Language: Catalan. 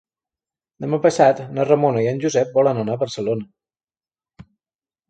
Demà passat na Ramona i en Josep volen anar a Barcelona.